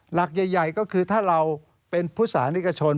หลักใหญ่ก็คือถ้าเราเป็นพุทธศานิกชน